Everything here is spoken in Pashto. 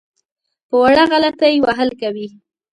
په وړه غلطۍ وهل کوي.